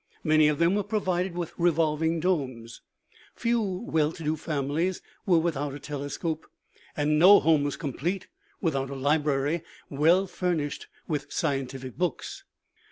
Many of them were provided with revolving' domes. Few well to do families were without a telescope, and no home was complete without a library, well furnished with scientific books.